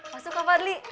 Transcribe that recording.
masuk ke barli